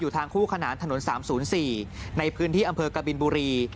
ทางคู่ขนานถนน๓๐๔ในพื้นที่อำเภอกบินบุรี